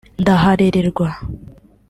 ndaharererwa